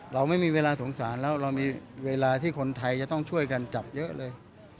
เราไม่มีเวลาสงสารแล้วเรามีเวลาที่คนไทยจะต้องช่วยกันจับเยอะเลย